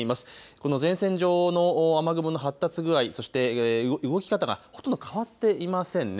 この前線上の雨雲の発達具合、そして動き方がほとんど変わっていませんね。